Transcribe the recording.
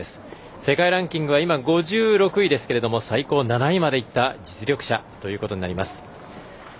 世界ランキングは今、５６位ですが最高７位までいった実力者ということになります。